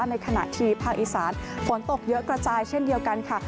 ในขณะที่ภาคอีสานฝนตกเยอะกระจายเช่นเดียวกันค่ะ